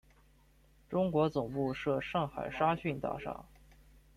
中国总部设上海沙逊大厦。